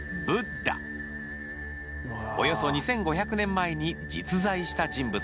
およそ２５００年前に実在した人物です。